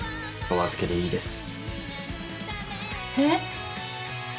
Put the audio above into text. お預けでいいです。